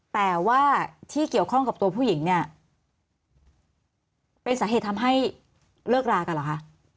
แต่ว่าที่เกี่ยวข้องกับตัวผู้หญิงเนี่ยเป็นสาเหตุทำให้เลิกรากันเหรอคะ